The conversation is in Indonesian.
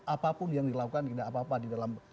apapun yang dilakukan tidak apa apa di dalam